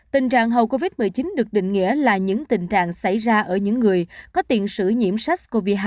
tình trạng hầu covid một mươi chín được định nghĩa là những tình trạng xảy ra ở những người có tiền sử nhiễm sars cov hai